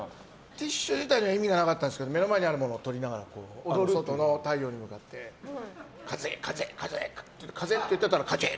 ティッシュには意味がなかったんですけど目の前にあるものをとって外の太陽に向かって風！って言ってたらかじぇ！